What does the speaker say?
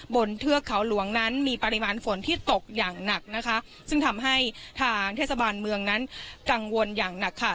เทือกเขาหลวงนั้นมีปริมาณฝนที่ตกอย่างหนักนะคะซึ่งทำให้ทางเทศบาลเมืองนั้นกังวลอย่างหนักค่ะ